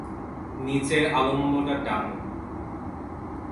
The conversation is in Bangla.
নিচে আলম্বটা টানো।